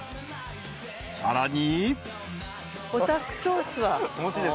［さらに］